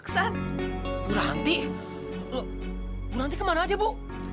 bu ranti bu nanti kemana aja bu